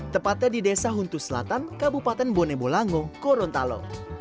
tepatnya di desa huntu selatan kabupaten bonebolango gorontalo